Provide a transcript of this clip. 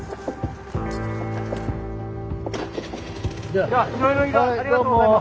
ありがとうございます。